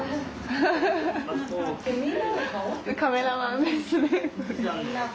カメラマンですね。